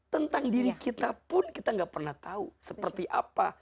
tentang diri kita pun kita gak pernah tahu seperti apa